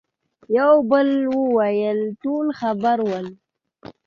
يوه بل وويل: ټول خبر ول.